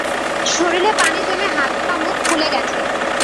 শরীরে পানি জমে হাত-পা-মুখ ফুলে গেছে।